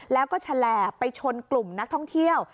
แล้วก็แฉลไปชนกลุ่มนักท่องเที่ยว